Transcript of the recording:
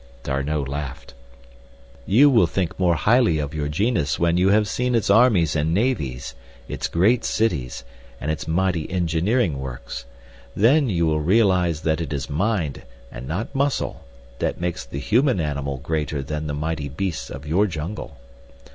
D'Arnot laughed. "You will think more highly of your genus when you have seen its armies and navies, its great cities, and its mighty engineering works. Then you will realize that it is mind, and not muscle, that makes the human animal greater than the mighty beasts of your jungle.